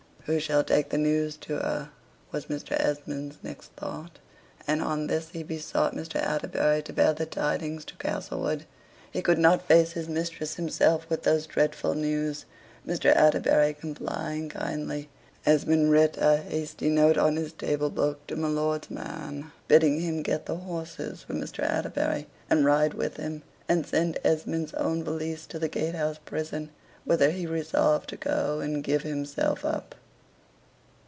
"Who shall take the news to her?" was Mr. Esmond's next thought. And on this he besought Mr. Atterbury to bear the tidings to Castlewood. He could not face his mistress himself with those dreadful news. Mr. Atterbury complying kindly, Esmond writ a hasty note on his table book to my lord's man, bidding him get the horses for Mr. Atterbury, and ride with him, and send Esmond's own valise to the Gatehouse prison, whither he resolved to go and give himself up.